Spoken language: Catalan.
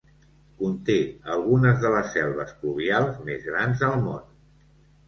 Conté algunes de les selves pluvials més grans al món.